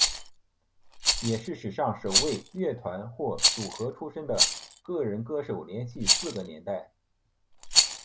也是史上首位乐团或组合出身的个人歌手连续四个年代。